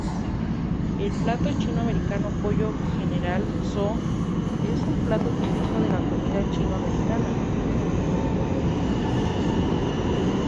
El plato chino-americano Pollo General Tso es un plato típico de la comida chino-americana.